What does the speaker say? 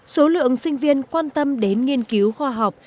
số lượng sinh viên quan tâm đến nghiên cứu khoa học